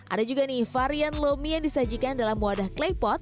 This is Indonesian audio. ada juga nih varian lomi yang disajikan dalam wadah claypot